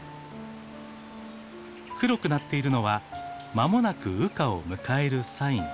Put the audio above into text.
黒くなっているのは間もなく羽化を迎えるサイン。